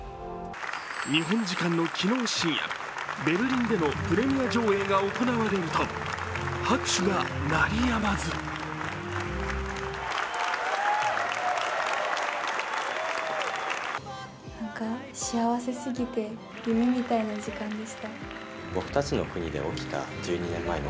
日本時間の昨日深夜、ベルリンでのプレミア上映が行われると拍手が鳴りやまず注目の金熊賞は日曜日発表です。